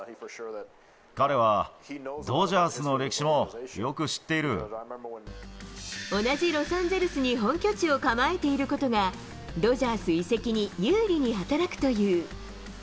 彼はドジャースの歴史もよく知っ同じロサンゼルスに本拠地を構えていることが、ドジャース移籍に有利に働くという。